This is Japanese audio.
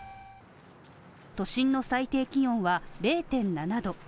都心の最低気温は０．７度。